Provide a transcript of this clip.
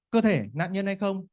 cơ thể nạn nhân hay không